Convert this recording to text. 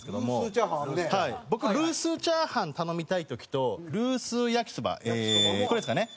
僕ルースチャーハン頼みたい時とルース焼きそばこれですかね。